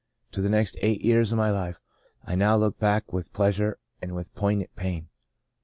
To the next eight years of my life I now look back with pleasure and with poignant pain.